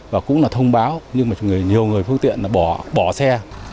và cũng là thông báo nhưng mà nhiều người phương tiện là bỏ xe